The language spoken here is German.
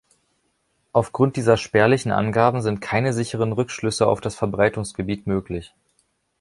Aufgrund dieser spärlichen Angaben sind keine sicheren Rückschlüsse auf das Verbreitungsgebiet möglich.